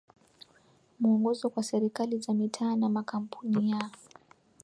mwongozo kwa serikali za mitaa na makampuni ya